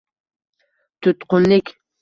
Tutqunlik